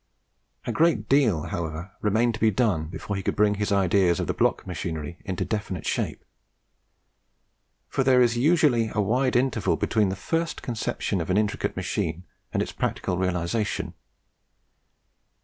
A great deal, however, remained to be done before he could bring his ideas of the block machinery into a definite shape; for there is usually a wide interval between the first conception of an intricate machine and its practical realization.